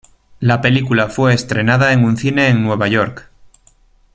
La película fue estrenada en un cine en Nueva York.